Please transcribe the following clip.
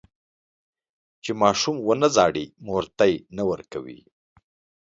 چې ماشوم ونه زړي، مور تی نه ورکوي.